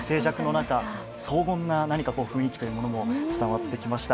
何か荘厳な雰囲気というものも伝わってきました。